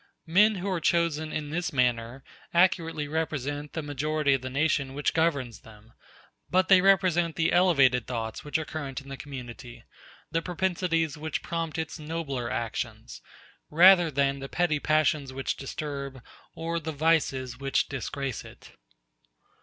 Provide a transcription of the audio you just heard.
Men who are chosen in this manner accurately represent the majority of the nation which governs them; but they represent the elevated thoughts which are current in the community, the propensities which prompt its nobler actions, rather than the petty passions which disturb or the vices which disgrace it.